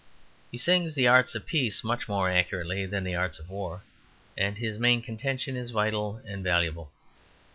He sings the arts of peace much more accurately than the arts of war. And his main contention is vital and valuable.